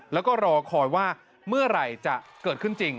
แล้วก็รอคอยว่าเมื่อไหร่จะเกิดขึ้นจริง